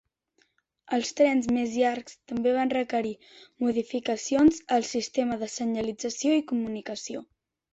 Els trens més llargs també van requerir modificacions al sistema de senyalització i comunicació.